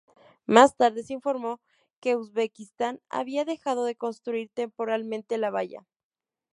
Más tarde se informó que Uzbekistán había dejado de construir temporalmente la valla.